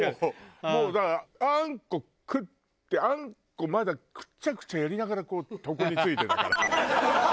もうだからあんこ食ってあんこまだクチャクチャやりながら床に就いてたから。